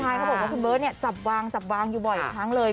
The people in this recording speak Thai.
ใช่ครับผมเพราะว่าคุณเบิร์ตเนี่ยจับวางจับวางอยู่บ่อยอีกครั้งเลย